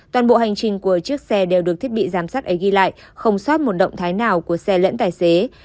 toàn bộ hành trình của chiếc xe đều được thiết bị giám sát ấy ghi lại không xót một động thái nào của xe lẫn tài xế